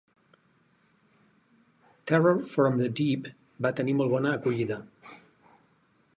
"Terror from the Deep" va tenir molt bona acollida.